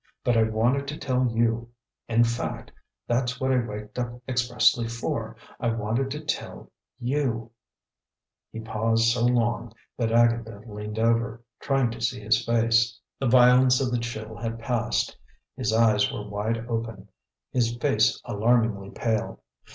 But I wanted to tell you in fact, that's what I waked up expressly for I wanted to tell you " He paused so long, that Agatha leaned over, trying to see his face. The violence of the chill had passed. His eyes were wide open, his face alarmingly pale.